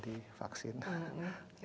nanti minggu depan mungkin semua karyawan kami